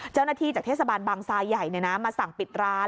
เจ้าหน้าที่จากเทศบาลบังทรายใหญ่มาสั่งปิดร้าน